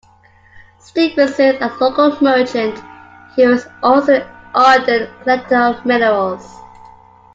Stephenson, a local merchant who was also an ardent collector of minerals.